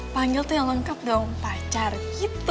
panggil tuh yang lengkap dong pacar gitu